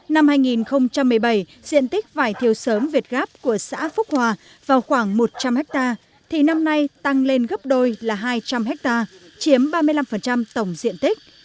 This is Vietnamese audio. năm hai nghìn một mươi bảy diện tích vải thiều sớm việt gáp của xã phúc hòa vào khoảng một trăm linh hectare thì năm nay tăng lên gấp đôi là hai trăm linh ha chiếm ba mươi năm tổng diện tích